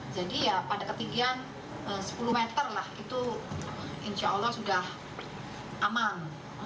jadi ya pada ketinggian sepuluh meter lah itu insya allah sudah aman